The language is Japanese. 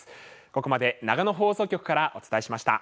ここまで長野放送局からお伝えしました。